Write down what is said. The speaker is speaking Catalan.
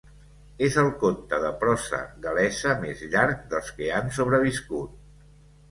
És el conte de prosa gal·lesa més llarg dels que han sobreviscut.